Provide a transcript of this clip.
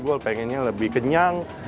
gue pengennya lebih kenyang